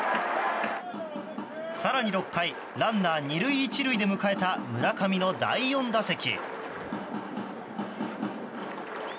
更に６回ランナー２塁１塁で迎えた村上の第４打席。